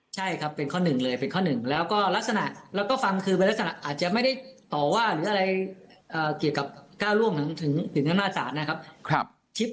ใช่ครับเป็นข้อหนึ่งเลยเป็นข้อหนึ่งแล้วก็ลักษณะแล้วก็ฟังคือเป็นลักษณะอาจจะไม่ได้ต่อว่าหรืออะไรเกี่ยวกับก้าวล่วงถึงธรรมนาศศาลนะครับ